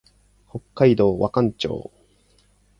北海道和寒町